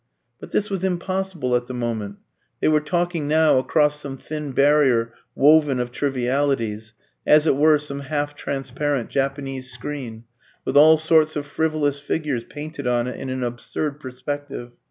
But this was impossible at the moment. They were talking now across some thin barrier woven of trivialities, as it were some half transparent Japanese screen, with all sorts of frivolous figures painted on it in an absurd perspective.